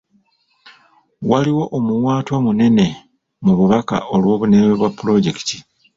Waliwo omuwaatwa munene mu bubaka olw'obunene bwa pulojekiti.